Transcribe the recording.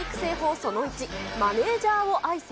その１、マネージャーを愛せ。